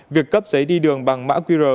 việc cấp giấy đi đường bằng mã qr